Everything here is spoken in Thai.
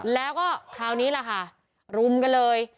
แล้วก็คราวนี้แหละค่ะรุมกันเลย